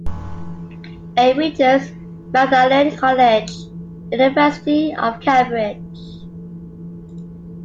A. Richards, Magdalene College, University of Cambridge.